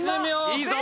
いいぞ！